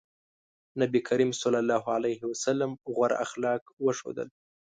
نبي کريم ص غوره اخلاق وښودل.